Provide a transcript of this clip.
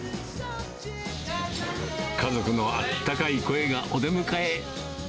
家族のあったかい声がお出迎え。